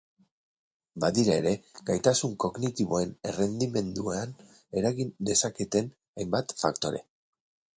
Badira ere, gaitasun kognitiboen errendimenduan eragin dezaketen hainbat faktore.